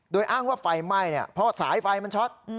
โดยอ้างว่าไฟไหม้เพราะสายไฟมันช็อต